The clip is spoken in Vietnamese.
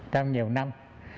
trong nhiều năm